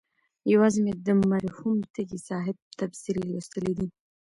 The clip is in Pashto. یوازې مې د مرحوم تږي صاحب تبصرې لوستلي دي.